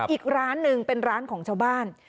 อีกร้านหนึ่งเป็นร้านของชาวบ้าน